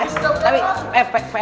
eh tapi pr yang kemarin apa tuh